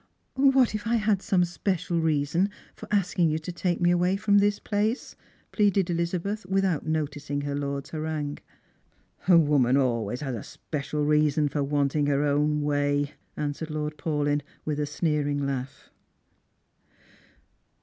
"What if I had some special reason for asking you to take me away from this place?" pleaded Elizabeth, without noticing her lord's harangue. " A woman always has a special reason for wanting her own way," answered Lord Paulyn, with a sneering laugh.